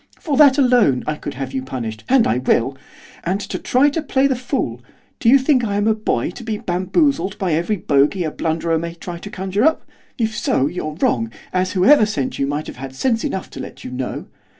For that alone I could have you punished, and I will! and try to play the fool? Do you think I am a boy to be bamboozled by every bogey a blunderer may try to conjure up? If so, you're wrong, as whoever sent you might have had sense enough to let you know.